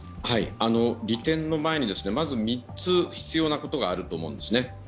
利点の前に、まず３つ必要なことがあると思うんですね。